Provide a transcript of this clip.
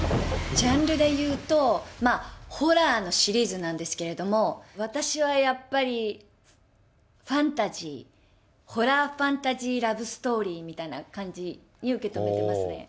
ジャンルでいうと、まあ、ホラーのシリーズなんですけれども、私はやっぱりファンタジー、ホラーファンタジーラブストーリーみたいな感じに受け止めていますね。